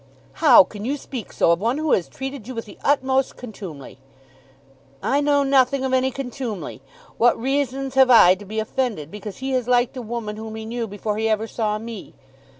"How can you speak so of one who has treated you with the utmost contumely?" "I know nothing of any contumely. What reason have I to be offended because he has liked a woman whom he knew before he ever saw me?